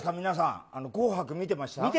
皆さん、紅白見てました？